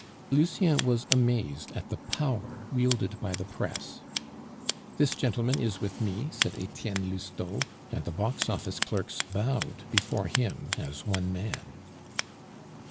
Lucien was amazed at the power wielded by the press. "This gentleman is with me," said Etienne Lousteau, and the box office clerks bowed before him as one man.